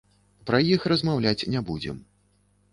Пра іх размаўляць не будзем.